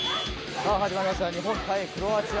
さあ、始まりました、日本対クロアチア。